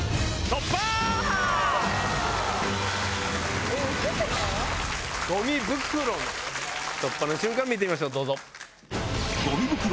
突破の瞬間見てみましょう。